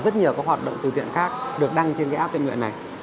rất nhiều các hoạt động từ thiện khác được đăng trên cái app tên nguyện này